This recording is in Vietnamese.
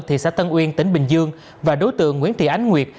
thị xã tân uyên tỉnh bình dương và đối tượng nguyễn thị ánh nguyệt